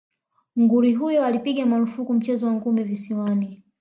Nguri huyo alipiga marufuku mchezo wa ngumi visiwani